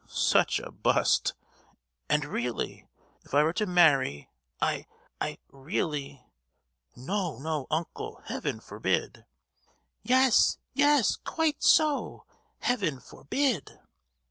Such a bust! and, really, if I were to marry, I—I—really——" "No, no, uncle! Heaven forbid!" "Yes—yes—quite so—Heaven for—bid!